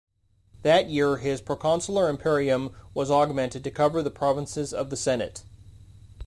That year his proconsular imperium was augmented to cover the provinces of the Senate.